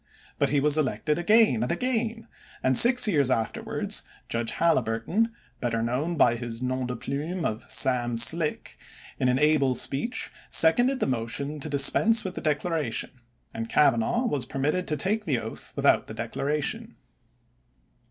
But he was elected again and again, and six years afterwards Judge Haliburton, better known by his nom de plume of "Sam Slick", in an able speech, seconded the motion to dispense with the declaration, and Cavanaugh was permitted to take the oath without the declaration.